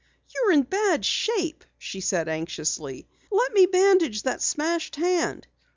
"You're in bad shape," she said anxiously. "Let me bandage that smashed hand."